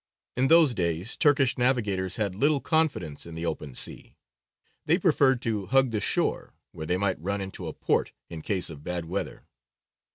In those days Turkish navigators had little confidence in the open sea; they preferred to hug the shore, where they might run into a port in case of bad weather.